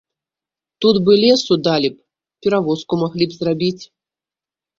Тут бы лесу далі б, перавозку маглі б зрабіць.